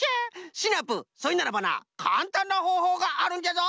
シナプーそれならばなかんたんなほうほうがあるんじゃぞ。